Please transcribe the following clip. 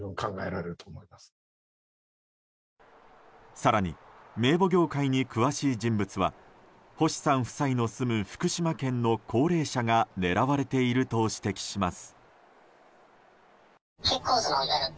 更に、名簿業界に詳しい人物は星さん夫妻の住む福島県の高齢者が狙われていると指摘します。